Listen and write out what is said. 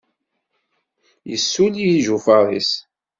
Yussuli ijufaṛ-is.